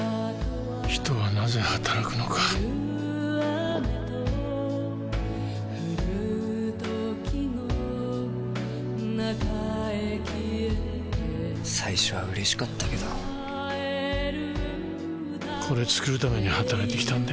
人はなぜ働くのかゴクッ最初は嬉しかったけどこれ作るために働いてきたんだよな